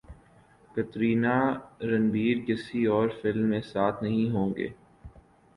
کترینہ رنبیر کسی اور فلم میں ساتھ نہیں ہوں گے